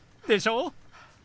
でしょ？